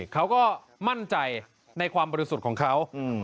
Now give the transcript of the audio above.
เขาก็มั่นใจในความบริสุทธิ์ของเขา